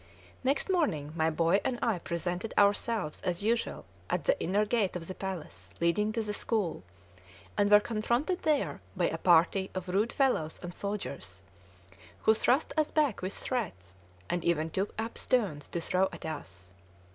Next morning, my boy and I presented ourselves as usual at the inner gate of the palace leading to the school, and were confronted there by a party of rude fellows and soldiers, who thrust us back with threats, and even took up stones to throw at us.